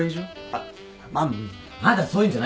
あっまっまだそういうんじゃないしやめてよ！